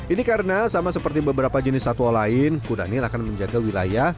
ini karena sama seperti beberapa jenis satwa lain kudanil akan menjaga wilayah